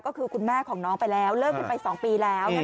ก็คือคุณแม่ของน้องไปแล้วเลิกกันไป๒ปีแล้ว